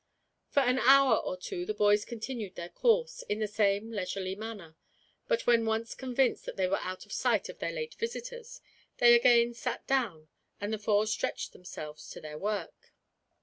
For an hour or two the boys continued their course, in the same leisurely manner; but when once convinced that they were out of sight of their late visitors, they again sat down, and the four stretched themselves to their work.